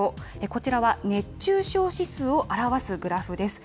こちらは熱中症指数を表すグラフです。